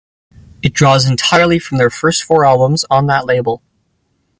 It draws entirely from their first four albums on that label.